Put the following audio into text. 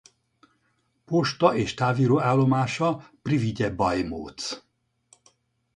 Posta- és táviró állomása Privigye-Bajmócz.